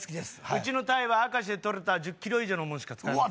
うちのタイは明石でとれた１０ｋｇ以上のもんしか使いませんうわ